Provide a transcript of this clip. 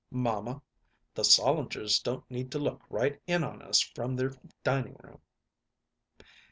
"Mamma, the Solingers don't need to look right in on us from their dining room."